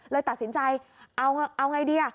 เลยตัดสินใจเอาไงดี